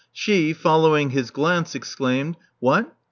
She, following his glance, exclaimed : '*What!